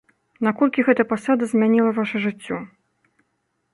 Наколькі гэта пасада змяніла ваша жыццё?